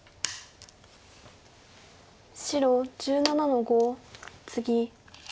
白１７の五ツギ。